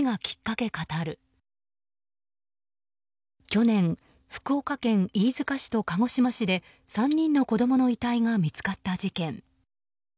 去年、福岡県飯塚市と鹿児島市で３人の子供の遺体が見つかった事件。